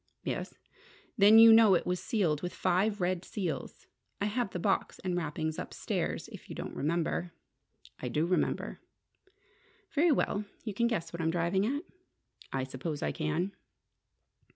"Yes." "Then you know it was sealed with five red seals. I have the box and wrappings upstairs, if you don't remember." "I do remember." "Very well. You can guess what I'm driving at?" "I suppose I can."